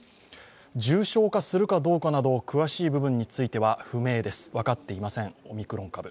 重症化するかどうかなど、詳しい部分については不明です、分かっていません、オミクロン株。